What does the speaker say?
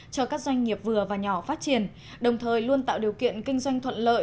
cho các doanh nghiệp vừa và nhỏ phát triển đồng thời luôn tạo điều kiện kinh doanh thuận lợi